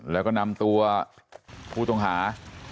แล้วก็นำตัวผู้ต้องหา